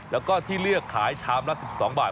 แล้วก็ที่เลือกขายชามละ๑๒บาท